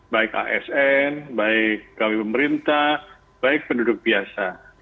baik asn baik kami pemerintah baik penduduk biasa